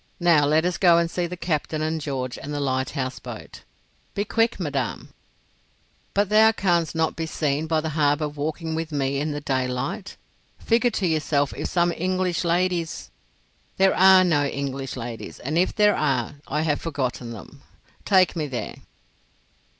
"Now let us go and see the captain and George and the lighthouse boat. Be quick, Madame." "But thou canst not be seen by the harbour walking with me in the daylight. Figure to yourself if some English ladies——" "There are no English ladies; and if there are, I have forgotten them. Take me there."